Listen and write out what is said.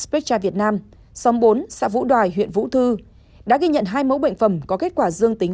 petra việt nam xóm bốn xã vũ đoài huyện vũ thư đã ghi nhận hai mẫu bệnh phẩm có kết quả dương tính